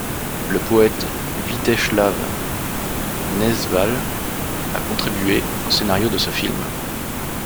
Le poète Vítězslav Nezval a contribué au scénario de ce film.